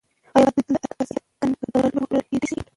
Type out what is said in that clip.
ایا بدن بوی تل د عطر پرځای کنټرول کېدی شي؟